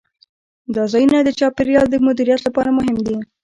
دا ځایونه د چاپیریال د مدیریت لپاره مهم دي.